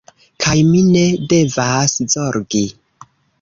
Kaj mi ne devas zorgi.